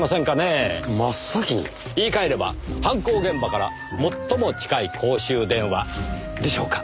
言い換えれば犯行現場から最も近い公衆電話でしょうか。